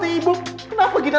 tidak ada yang bisa dikira